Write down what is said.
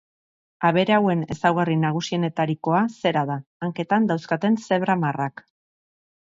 Abere hauen ezaugarri nagusienetarikoa zera da, hanketan dauzkaten zebra-marrak.